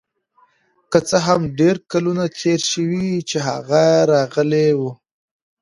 که څه هم ډیر کلونه تیر شوي چې هغه راغلی و